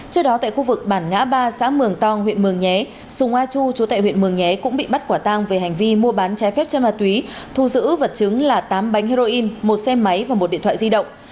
trước đó tại khu vực bản ngã ba xã mường tong huyện mường nhé sùng a chu chú tại huyện mường nhé cũng bị bắt quả tang về hành vi mua bán trái phép chân ma túy thu giữ vật chứng là tám bánh heroin một xe máy và một điện thoại di động